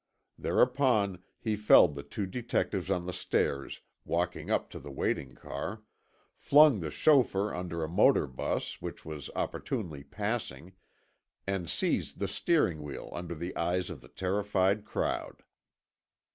Thereupon he felled the two detectives on the stairs, walked up to the waiting car, flung the chauffeur under a motor 'bus which was opportunely passing, and seized the steering wheel under the eyes of the terrified crowd.